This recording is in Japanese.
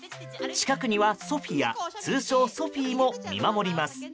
近くにはソフィア通称ソフィーも見守ります。